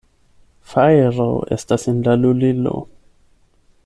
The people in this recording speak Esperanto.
Fajro estas en la lulilo!